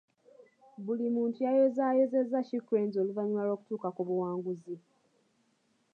Buli muntu yayozaayozezza She cranes oluvannyuma lw'okutuuka ku buwanguzi.